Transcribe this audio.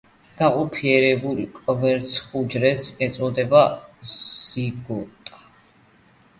განაყოფიერებულ კვერცხუჯრედს ეწოდება ზიგოტა.